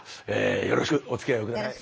よろしくおつきあいを下さい。